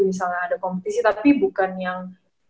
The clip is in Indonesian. misalnya ada kompetisi tapi bukan yang